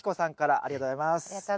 ありがとうございます。